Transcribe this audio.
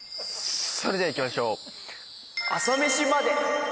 それではいきましょう。